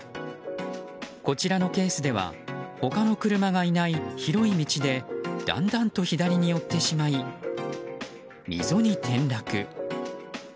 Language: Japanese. こちらのケースでは他の車がいない広い道でだんだんと左に寄ってしまい溝に転落。